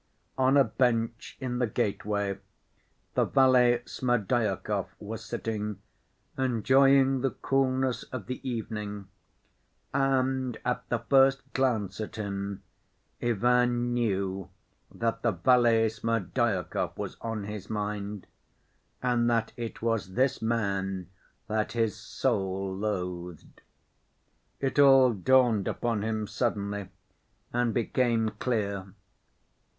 On a bench in the gateway the valet Smerdyakov was sitting enjoying the coolness of the evening, and at the first glance at him Ivan knew that the valet Smerdyakov was on his mind, and that it was this man that his soul loathed. It all dawned upon him suddenly and became clear.